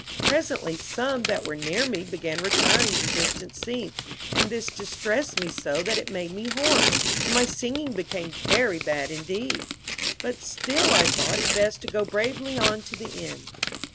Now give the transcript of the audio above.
Presently some that were near me began retiring to distant seats, and this distressed me so that it made me hoarse, and my singing became very bad indeed; but still I thought it best to go bravely on to the end.